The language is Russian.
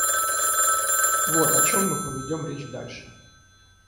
Вот о чем мы поведем речь дальше.